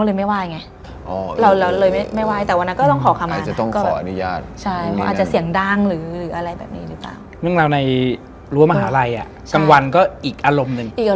แล้วมันไม่มีเรื่องอะไรร้ายไม่มี